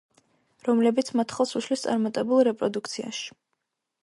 რომლებიც მათ ხელს უშლის წარმატებულ რეპროდუქციაში.